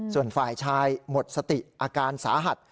ส่วนฝ่ายชายหมดสติอาการสาหัส